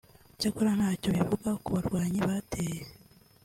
cyakora ntacyo bivuga ku barwanyi bateye